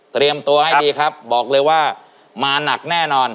เตรียมตัวให้ดีครับบอกเลยว่ามาหนักแน่นอน